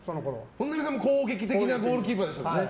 本並さんも攻撃的なゴールキーパーでしたもんね。